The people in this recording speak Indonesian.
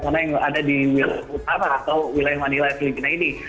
karena yang ada di wilayah utara atau wilayah manila filipina ini